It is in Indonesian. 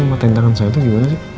matain tangan saya tuh gimana sih